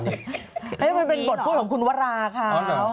มันเป็นบทพูดของคุณวราค้าว